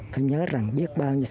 phải nhớ rằng biết bao nhiêu